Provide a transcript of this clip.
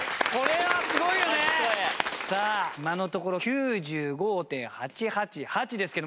さあ今のところ９５．８８８ですけど。